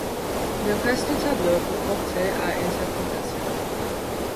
Le reste du tableau peut porter à interprétation.